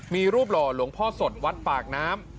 มีรูปหล่อหลวงพ่อสดวัดปากน้ำ